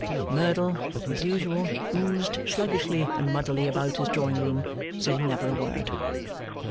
But Merdle, as usual, oozed sluggishly and muddily about his drawing room, saying never a word.